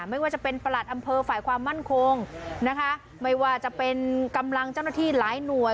ไม่ว่าจะเป็นประหลัดอำเภอฝ่ายความมั่นคงนะคะไม่ว่าจะเป็นกำลังเจ้าหน้าที่หลายหน่วย